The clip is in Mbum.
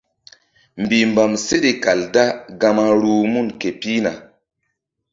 Mbihmbam seɗe kal da gama ruh mun ke pihna.